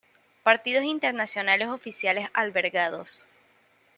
Partidos Internacionales oficiales albergados